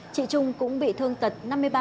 chị trung cũng bị thương tật năm mươi ba